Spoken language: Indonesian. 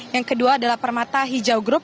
yang kedua adalah permata hijau group